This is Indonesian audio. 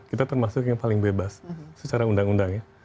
kita termasuk yang paling bebas secara undang undang ya